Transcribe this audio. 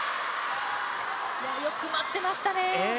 よく待ってましたね。